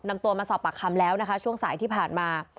นำตัวมาสอบปากคำแล้วนะคะช่วงสายที่ผ่านมา